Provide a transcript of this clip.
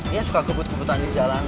dia suka kebut kebutan di jalan